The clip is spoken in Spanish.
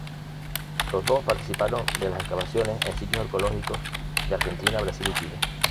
Los dos participaron de las excavaciones en sitios arqueológicos de Argentina, Brasil y Chile.